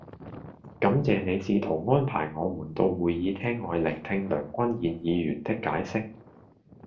感謝你試圖安排我們到會議廳外聆聽梁君彥議員的解釋